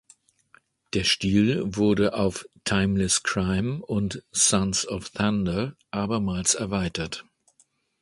Der Stil wurde auf "Timeless Crime" und "Sons of Thunder" abermals erweitert.